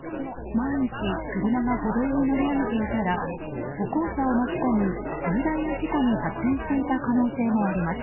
万一車が歩道に乗り上げていたら歩行者を巻き込む重大な事故に発展していた可能性もあります。